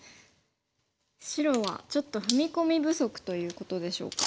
白はちょっと踏み込み不足ということでしょうか。